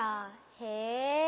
へえ。